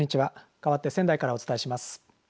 かわって仙台からお伝えします。